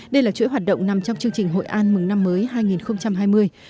đây là chuỗi hoạt động nằm trong chương trình hội an mừng năm mới hai nghìn hai mươi